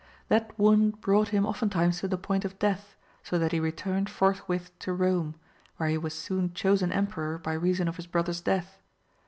That wound brought him often times to the point of death, so that he returned forth with to Kome, where he was soon chosen emperor by reason of his brother*s death.